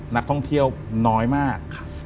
นักท่องเที่ยวน้อยมาก